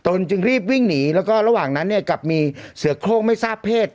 จึงรีบวิ่งหนีแล้วก็ระหว่างนั้นเนี่ยกลับมีเสือโครงไม่ทราบเพศ